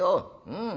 うん。